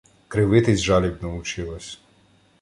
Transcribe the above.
Кривитись жалібно училась